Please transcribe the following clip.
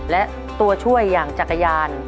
และตัวช่วยอย่างจักรยาน